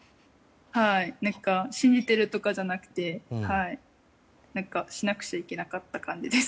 信じてるとかじゃなくてしなくちゃいけなかった感じです。